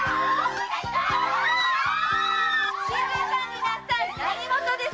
静かになさい何事です！